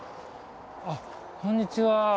あっ、こんにちは。